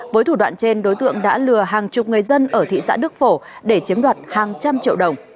với thủ đoạn trên đối tượng đã lừa hàng chục người dân ở thị xã đức phổ để chiếm đoạt hàng trăm triệu đồng